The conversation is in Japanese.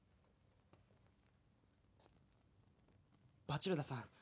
バチルダさん